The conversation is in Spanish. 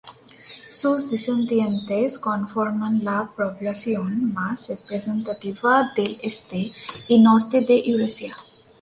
Sus descendientes conforman la población más representativa del Este y Norte de Eurasia.